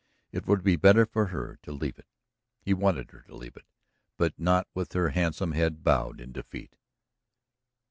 It would be better for her to leave it, he wanted her to leave it, but not with her handsome head bowed in defeat.